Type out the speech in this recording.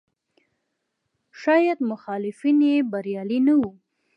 شاید مخالفین یې بریالي نه وو.